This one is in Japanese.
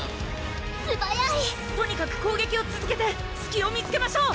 素早いとにかく攻撃をつづけて隙を見つけましょう！